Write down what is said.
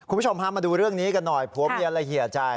คุณผู้ชมพามาดูเรื่องนี้กันหน่อยผัวเมียและเหยียใจ